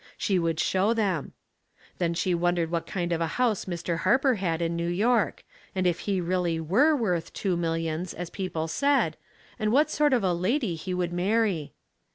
She would show them. Then she wondered what kind of a house Mr. Harper had in New York, and if he really were worth two millions, as people said, and what sort of a lady he would marry.